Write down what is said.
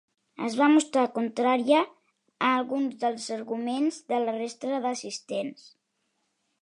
Es va mostrar contrària a alguns dels arguments de la resta d'assistents.